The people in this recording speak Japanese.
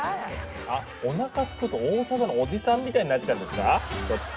おなかすくと大阪のおじさんみたいになっちゃうんですかちょっと。